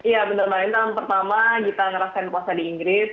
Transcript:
ya benar benar ini tahun pertama gita ngerasain puasa di inggris